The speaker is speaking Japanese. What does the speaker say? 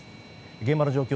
現場の状況